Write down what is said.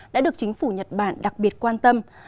đã được chính phủ nhật bản đặc biệt quan tâm